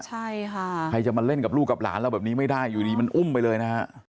ใช่ค่ะใครจะมาเล่นกับลูกกับหลานเราแบบนี้ไม่ได้อยู่ดีมันอุ้มไปเลยนะฮะ